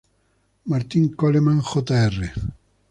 Martin Coleman, Jr.